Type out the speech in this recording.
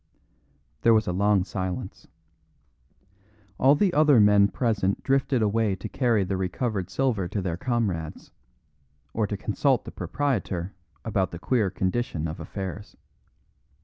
There was a long silence. All the other men present drifted away to carry the recovered silver to their comrades, or to consult the proprietor about the queer condition of affairs.